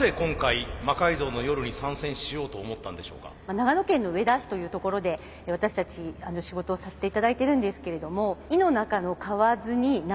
長野県の上田市という所で私たち仕事をさせていただいてるんですけれども井の中のかわずになりがち。